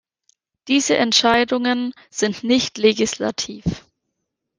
Diese Entscheidungen sind nicht legislativ.